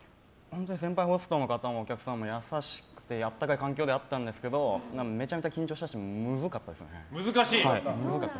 先輩ホストの方もお客さんも優しくて温かい環境ではあったんですけどめちゃめちゃ緊張したしむずかったですね。